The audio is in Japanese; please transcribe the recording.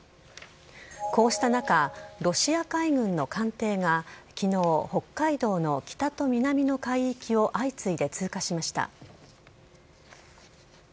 こうした中、ロシア海軍の艦艇がきのう、北海道の北と南の海域を相次いで通過しました。